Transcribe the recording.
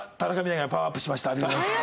ありがとうございます。